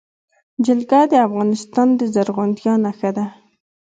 جلګه د افغانستان د زرغونتیا نښه ده.